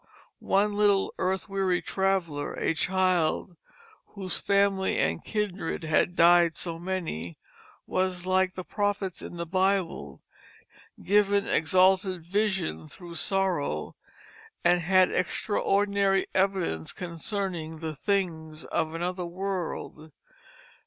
One little earth weary traveller, a child whose "family and kindred had dyed so many," was, like the prophets in the Bible, given exalted vision through sorrow, and had "extraordinary evidence concerning the things of another world."